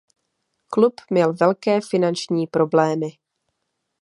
Klub měl velké finanční problémy.